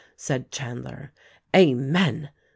said Chandler. "Amen !"